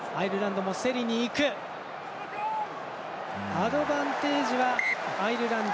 アドバンテージはアイルランド。